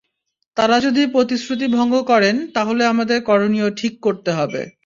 তাঁরা যদি প্রতিশ্রুতি ভঙ্গ করেন, তাহলে আমাদের করণীয় ঠিক করতে হবে।